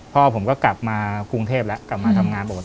พ่อผมก็กลับมากรุงเทพแล้วกลับมาทำงานปกติ